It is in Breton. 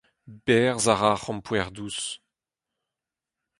Berzh a ra ar c’hrampouezh dous !